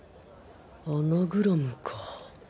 アナグラムか